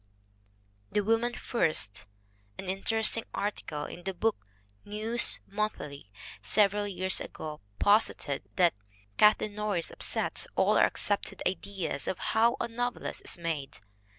The woman first An interesting article in the Book News Monthly several years ago posited that "Kath leen Norris upsets all our accepted ideas of how a novelist is made.